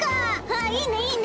ああいいねいいね！